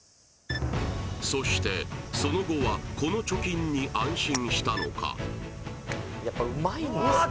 そしてその後はこの貯金に安心したのかうわ